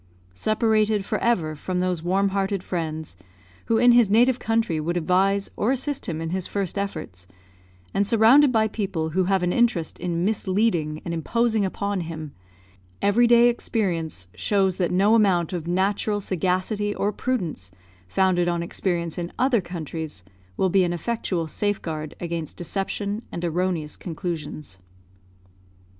Separated for ever from those warm hearted friends, who in his native country would advise or assist him in his first efforts, and surrounded by people who have an interest in misleading and imposing upon him, every day experience shows that no amount of natural sagacity or prudence, founded on experience in other countries, will be an effectual safeguard against deception and erroneous conclusions.